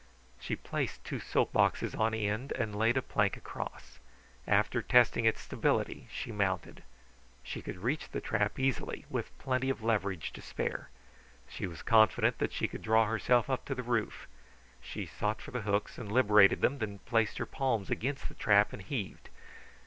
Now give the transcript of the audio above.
She placed two soap boxes on end and laid a plank across. After testing its stability she mounted. She could reach the trap easily, with plenty of leverage to spare. She was confident that she could draw herself up to the roof. She sought for the hooks and liberated them, then she placed her palms against the trap and heaved.